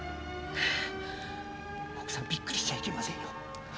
えっ？奥さんびっくりしちゃいけませんよ。